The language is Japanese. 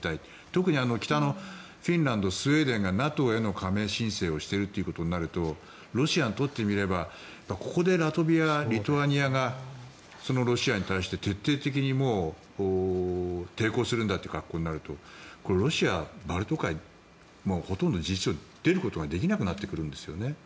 特に北のフィンランドスウェーデンがＮＡＴＯへの加盟申請をしているとなるとロシアにとってみればここでラトビア、リトアニアがロシアに対して徹底的に抵抗するんだという格好になるとこれ、ロシアはバルト海にほとんど事実上出ることができなくなってくるんですね。